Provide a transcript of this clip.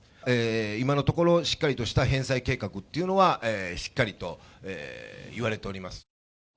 今のところ、しっかりとした返済計画っていうのはしっかりと言われております。